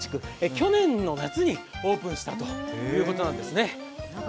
去年の夏にオープンしたということなんですね。